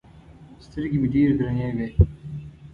سترګې مې ډېرې درنې وې.